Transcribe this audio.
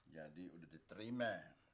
jadi udah diterima